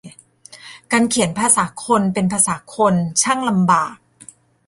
การเขียนภาษาคนเป็นภาษาคนช่างลำบาก